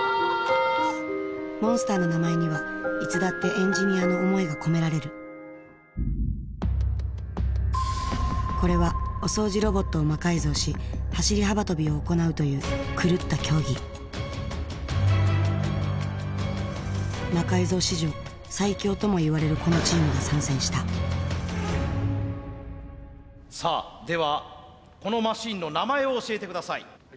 モンスターの名前にはいつだってエンジニアの思いが込められるこれはお掃除ロボットを魔改造し走り幅跳びを行うという狂った競技「魔改造」史上最強ともいわれるこのチームが参戦したさあではこのマシンの名前を教えて下さい。